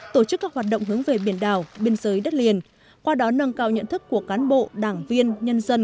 tổ chức các hoạt động hướng về biển đảo biên giới đất liền qua đó nâng cao nhận thức của cán bộ đảng viên nhân dân